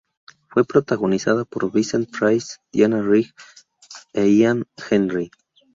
Fue protagonizada por Vincent Price, Diana Rigg e Ian Hendry.